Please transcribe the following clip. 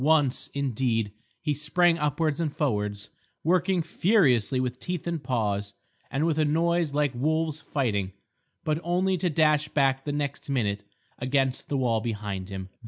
Once, indeed, he sprang upwards and forwards, working furiously with teeth and paws, and with a noise like wolves fighting, but only to dash back the next minute against the wall behind him.